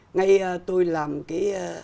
ngay tôi làm cái